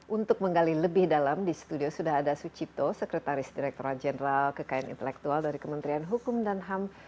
untuk menggali lebih dalam di studio sudah ada sucipto sekretaris direkturat jenderal kekayaan intelektual dari kementerian hukum dan ham